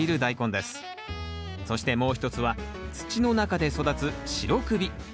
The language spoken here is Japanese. そしてもう一つは土の中で育つ白首。